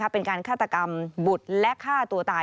เป็นการฆาตกรรมบุตรและฆ่าตัวตาย